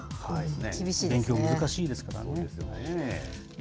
勉強、難しいですからね。